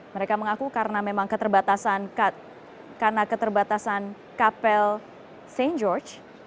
mereka mengaku karena memang keterbatasan kapel st george